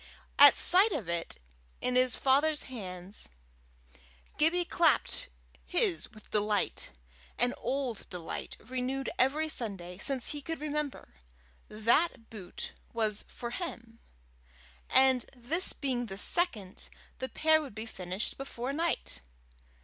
At sight of it in his father's hands, Gibbie clapped his with delight an old delight, renewed every Sunday since he could remember. That boot was for him! and this being the second, the pair would be finished before night!